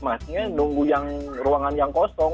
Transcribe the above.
akhirnya nunggu ruangan yang kosong